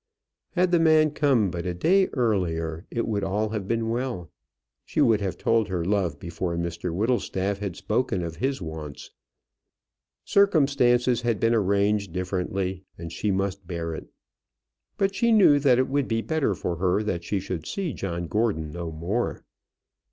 Had the man come but a day earlier, it would all have been well. She would have told her love before Mr Whittlestaff had spoken of his wants. Circumstances had been arranged differently, and she must bear it. But she knew that it would be better for her that she should see John Gordon no more.